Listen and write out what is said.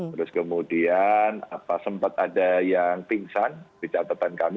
terus kemudian sempat ada yang pingsan di catatan kami